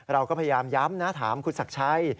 เราก็พยายามย้ำนะถามคุณศักดิ์ชัย